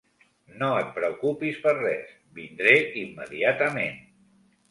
No et preocupis per res; vindré immediatament.